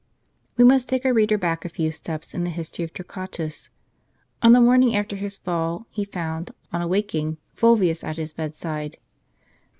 ?"^^ E must take our reader back a few steps in the history of Torquatus. On the morning after his fall, he found, on awaking, Fulvius at his bed side.